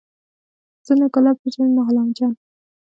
زه نه ګلاب پېژنم نه غلام جان.